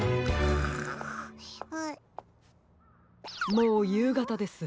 もうゆうがたです。